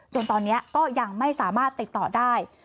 ตอนนี้ก็ยังไม่สามารถติดต่อได้